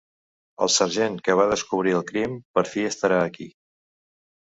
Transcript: El sergent que va descobrir el crim per fi estarà aquí.